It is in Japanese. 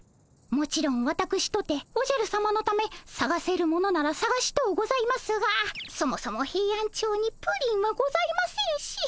もちろんわたくしとておじゃるさまのためさがせるものならさがしとうございますがそもそもヘイアンチョウにプリンはございませんし。